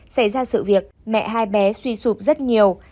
xảy ra sự việc mẹ hai bé suy sụp rất nhiều